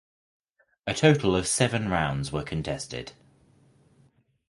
A total of seven rounds were contested.